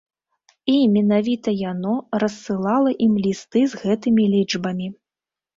І менавіта яно рассылала ім лісты з гэтымі лічбамі.